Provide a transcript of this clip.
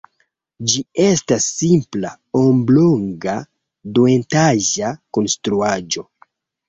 Ĝi estas simpla oblonga duetaĝa konstruaĵo.